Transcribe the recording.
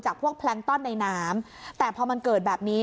พวกแพลงต้อนในน้ำแต่พอมันเกิดแบบนี้